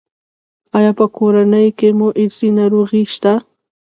ایا په کورنۍ کې مو ارثي ناروغي شته؟